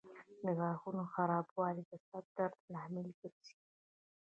د غاښونو خرابوالی د سر درد لامل ګرځي.